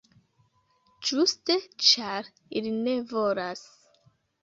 Ĝuste ĉar ili ne volas.